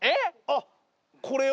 あっこれを？